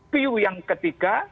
view yang ketiga